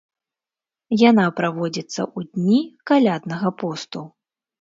Яна праводзіцца ў дні каляднага посту.